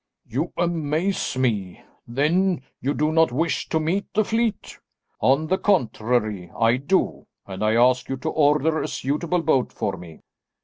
"You amaze me. Then you do not wish to meet the fleet." "On the contrary, I do, and I ask you to order a suitable boat for me."